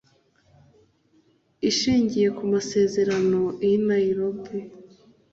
Ishingiye ku masezerano y i Nairobi